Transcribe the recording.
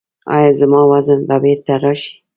ایا زما وزن به بیرته راشي؟